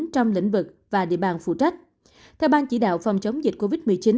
trong lĩnh vực và địa bàn phụ trách theo ban chỉ đạo phòng chống dịch covid một mươi chín